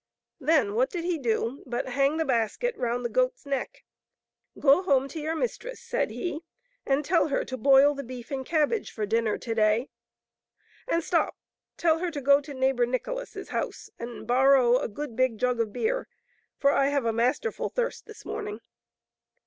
Then what did he do but hang the basket around the goat*s neck. " Go home to your mistress, said he, " and tell her to boil the beef and cabbage for dinner to day ; and, stop ! tell her to go to Neighbor Nicho las*s house and borrow a good big jug of beer, for I have a masterful thirst this morning.